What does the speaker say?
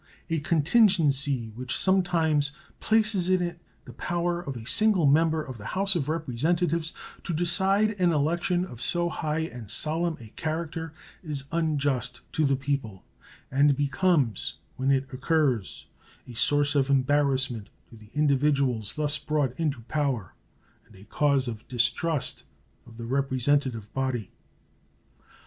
A contingency which some times places it in the power of a single member of the House of Representatives to decide an election of so high and solemn a character is unjust to the people, and becomes when it occurs a source of embarrassment to the individuals thus brought into power and a cause of distrust of the representative body.